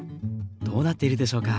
どうなっているでしょうか？